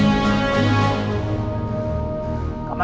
yang lebih baik adalah